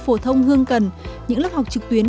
phổ thông hương cần những lớp học trực tuyến